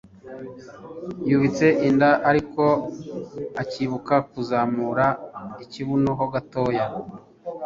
yubitse inda ariko akibuka kuzamura ikibuno ho gatoya